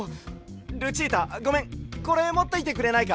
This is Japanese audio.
ルチータごめんこれもっていてくれないか？